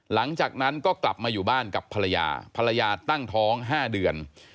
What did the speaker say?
หลังจากนั้นก็กลับมาอยู่บ้านกับภรรยาภรรยาตั้งท้อง๕เดือน